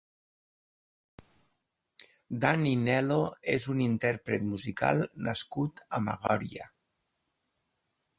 Dani Nel·lo és un intérpret musical nascut a Magòria.